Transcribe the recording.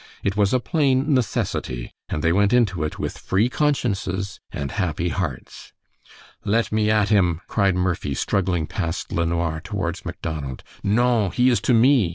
It was a plain necessity, and they went into it with free consciences and happy hearts. "Let me at him," cried Murphy, struggling past LeNoir towards Macdonald. "Non! He is to me!"